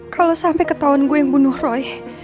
kalau sampai ketahuan gue yang bunuh roy